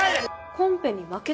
コンペに負けた？